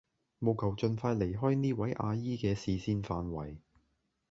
務求盡快離開呢位阿姨嘅視線範圍